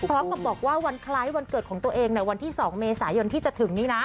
พร้อมกับบอกว่าวันคล้ายวันเกิดของตัวเองในวันที่๒เมษายนที่จะถึงนี้นะ